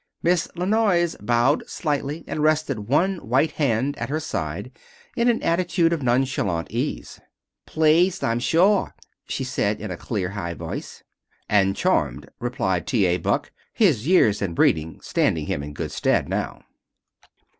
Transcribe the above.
Miss La Noyes bowed slightly and rested one white hand at her side in an attitude of nonchalant ease. "Pleased, I'm shaw!" she said, in a clear, high voice. And, "Charmed," replied T. A. Buck, his years and breeding standing him in good stead now.